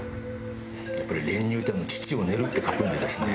やっぱり練乳って「乳を練る」って書くんでですね